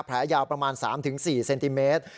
แผลยาวประมาณ๓๔เซนติเมตร